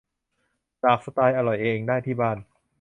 หลากสไตล์อร่อยเองได้ที่บ้าน